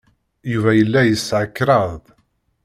Yuba yella yesɛa kraḍ.